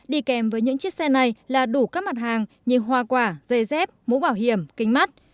đi kèm với những chiếc xe này là đủ các mặt hàng như hoa quả dây dép mũ bảo hiểm kính mắt